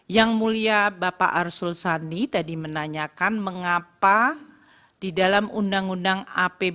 yang mulia bapak arsul sani tadi menanyakan mengapa di dalam undang undang apb